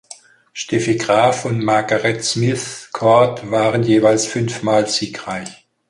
Steffi Graf und Margaret Smith Court waren jeweils fünfmal siegreich.